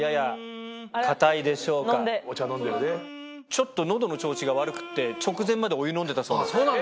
ちょっと喉の調子が悪くて直前までお湯飲んでたそう。